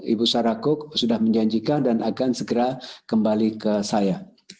ibu sarah cook sudah menjanjikan dan akan segera kembali ke saya